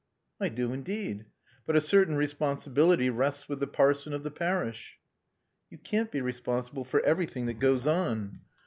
"I do indeed. But a certain responsibility rests with the parson of the parish." "You can't be responsible for everything that goes on."